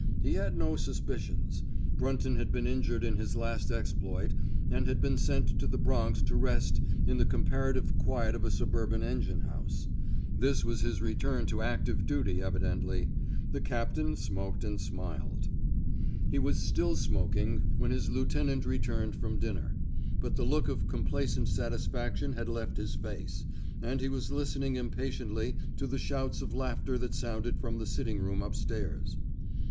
He had no suspicions. Brunton had been injured in his last exploit, and had been sent to the Bronx to rest in the comparative quiet of a suburban engine house; this was his return to active duty evidently. The cap tain smoked and smiled. 122 \ IN THE NATURE OF A HEEO He was still smokmg when his lieutenant returned from dinner; but the look of com placent satisfaction had left his face, and he was listening impatiently to the shouts of laughter that sounded from the sitting room up stairs.